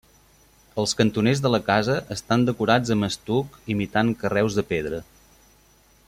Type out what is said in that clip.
Els cantoners de la casa estan decorats amb estuc imitant carreus de pedra.